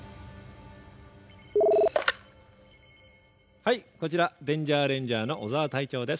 ☎はいこちらデンジャーレンジャーの小澤隊長です。